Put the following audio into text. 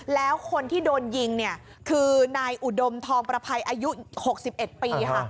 แล้วคนที่โดนยิงเนี่ยคือนายอุดมทองประภัยอายุ๖๑ปีค่ะ